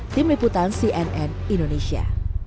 tim liputan cnn indonesia